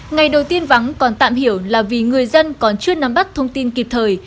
ngày đầu tiên vắng còn tạm hiểu là vì người dân còn chưa nắm bắt thông tin kịp thời